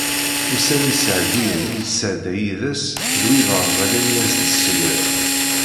Ussan iseɛdiyen i yesɛedda yid-s d wid rẓagen i as-d-tesseggra.